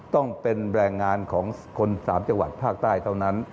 ต้องเป็นแรงงานของคน๓จังหวัดภาคใต้เท่านั้น